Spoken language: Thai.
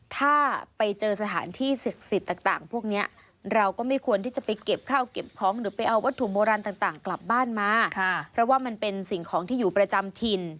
ถ้าไปเจอสถานที่สิทธิต่างพวกนี้